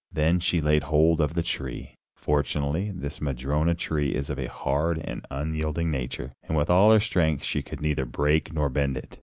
Then she laid hold of the tree. Fortunately this madrona tree is of a hard and unyielding nature, and with all her strength she could neither break nor bend it.